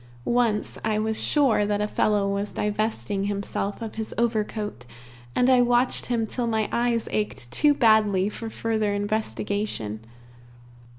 Once, I was sure that a fellow was divesting himself of his overcoat, and I watched him till my eyes ached too badly for further investigation.